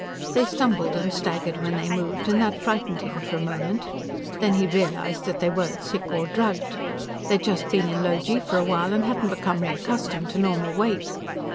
They stumbled and staggered when they moved, and that frightened him for a moment. Then he realized that they weren't sick or drugged. They'd just been in low G for a while and hadn't become reaccustomed to normal weight.